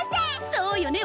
そうよね